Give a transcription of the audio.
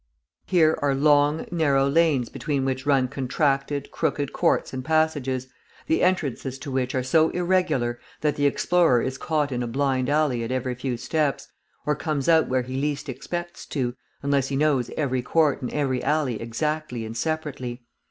Here are long, narrow lanes between which run contracted, crooked courts and passages, the entrances to which are so irregular that the explorer is caught in a blind alley at every few steps, or comes out where he least expects to, unless he knows every court and every alley exactly and separately.